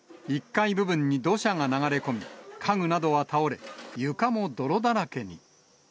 １階部分に土砂が流れ込み、家具などは倒れ、床も泥だらけに。